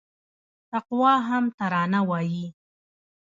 تقوا هم ترانه وايي